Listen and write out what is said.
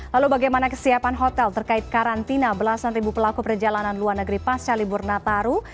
lalu bagaimana kesiapan hotel terkait karantina belasan ribu pelaku perjalanan luar negeri pasca libur nataru